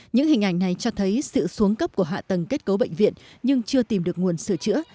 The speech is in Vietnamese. những hình ảnh này cho thấy sự xuống cấp của hạ tầng kết cấu bệnh viện nhưng chưa tìm được nguồn sửa chữa